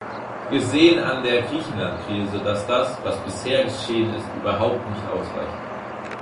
Wir sehen an der Griechenland-Krise, dass das, was bisher geschehen ist, überhaupt nicht ausreicht.